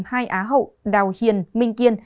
hai á hậu đào hiền minh kiên